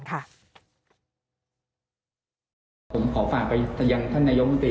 ผมขอฝากไปยังท่านนายกมนตรี